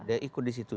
dia ikut di situ